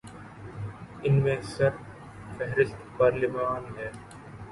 ان میں سر فہرست پارلیمان ہے۔